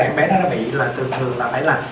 em bé nó bị là thường thường là phải là